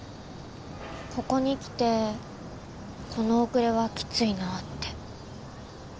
ここにきてこの遅れはきついなあって。